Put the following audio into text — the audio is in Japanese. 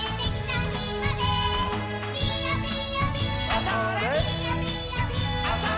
あ、それっ。